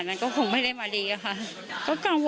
จะเกิดกับลูกเราเมื่อยังไง